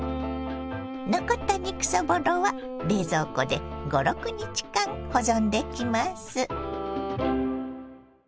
残った肉そぼろは冷蔵庫で５６日間保存できます。